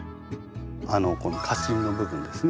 この花芯の部分ですね。